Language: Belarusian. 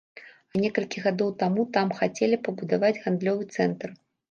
А некалькі гадоў таму там хацелі пабудаваць гандлёвы цэнтр.